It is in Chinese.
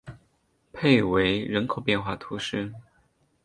佩维人口变化图示